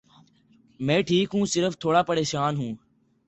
میں ٹھیک ہوں، صرف تھوڑا پریشان ہوں۔